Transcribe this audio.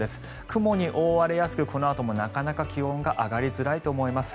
雲に覆われやすくこのあともなかなか気温が上がりづらいと思います。